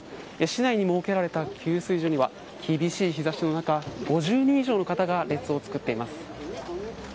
市内に設けられた給水所には厳しい日差しの中５０人以上の方が列を作っています。